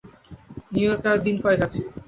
New ইয়র্কে আর দিন-কয়েক আছি।